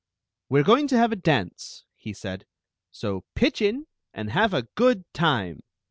"We re going to have a dance," he said; « so pitch in and have a good time.